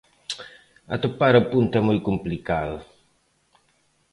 Atopar o punto é moi complicado.